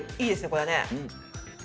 これね